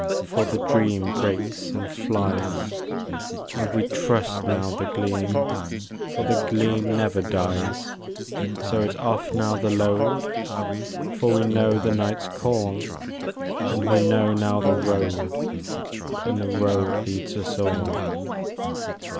For the dream breaks and flies ; And we trust now the gleam. For the gleam never dies ;— So it 's ofF now the load. For we know the night's call, And we know now the road And the road leads us all.